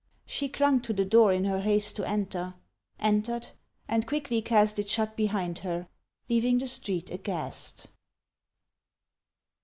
She clung to the door in her haste to enter, Entered, and quickly cast It shut behind her, leaving the street aghast.